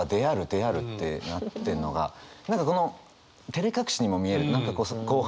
「である」ってなってんのが何かこのてれ隠しにも見える何か後半が。